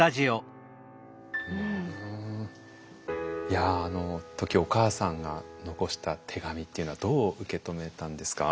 いやあの時お母さんが残した手紙っていうのはどう受け止めたんですか？